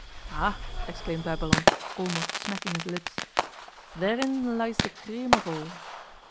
'Ah!' exclaimed Babylon, almost smacking his lips, 'therein lies the cream of all.